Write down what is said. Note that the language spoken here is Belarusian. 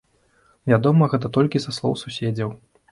Вядома гэта толькі са слоў суседзяў.